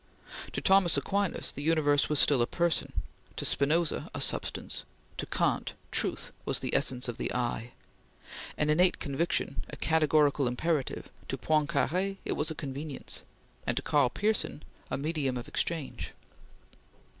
To Thomas Aquinas, the universe was still a person; to Spinoza, a substance; to Kant, Truth was the essence of the "I"; an innate conviction; a categorical imperative; to Poincare, it was a convenience; and to Karl Pearson, a medium of exchange.